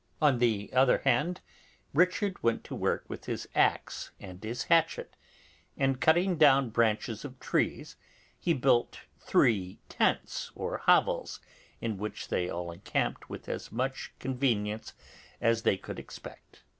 On the other hand, Richard went to work with his axe and his hatchet, and cutting down branches of trees, he built three tents or hovels, in which they all encamped with as much convenience as they could expect.